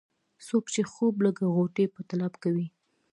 څوک چې خوب لکه غوټۍ په طلب کوي.